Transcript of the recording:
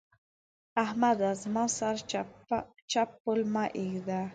احمده! زما سره چپ پل مه اېږده.